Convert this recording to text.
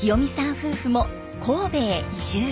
夫婦も神戸へ移住。